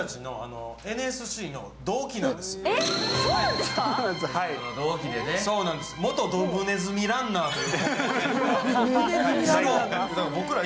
実は元ドブネズミランナーという。